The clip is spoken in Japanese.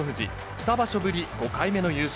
２場所ぶり５回目の優勝。